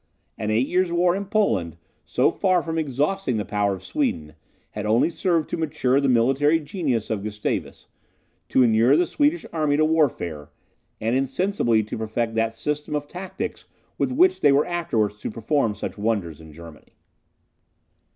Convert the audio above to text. An eight years' war in Poland, so far from exhausting the power of Sweden, had only served to mature the military genius of Gustavus, to inure the Swedish army to warfare, and insensibly to perfect that system of tactics by which they were afterwards to perform such wonders in Germany.